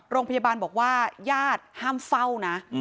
โรงพยาบาลบอกว่าญาติห้ามเฝ้านะ